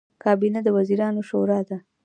کابینه د وزیرانو شورا ده